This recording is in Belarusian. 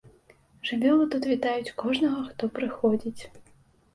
Жывёлы тут вітаюць кожнага, хто прыходзіць.